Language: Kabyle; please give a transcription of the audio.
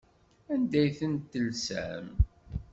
Anda ay tent-telsam?